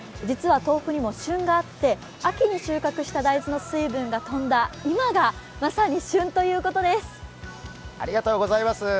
実は豆腐にも旬があって秋に収穫した大豆の水分が飛んだ今が、まさに旬ということです。